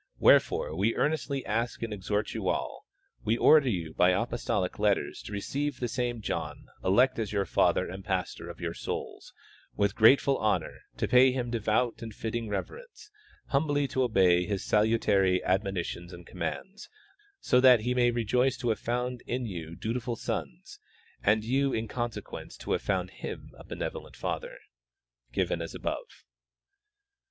' Wherefore we earnestly ask and exhort you all ; we order you b}^ aj)ostolic letters to receive the same John elect as your father and pastor of your souls with grateful honor, to pay him devout and fitting reverence, humbl}^ to obey his salutary admonitions and commands, so that' he may rejoice to have found in you dutiful sons, and you in conse quence to haA'e found in him a benevolent father. Given as above.